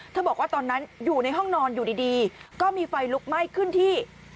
บอกว่าตอนนั้นอยู่ในห้องนอนอยู่ดีก็มีไฟลุกไหม้ขึ้นที่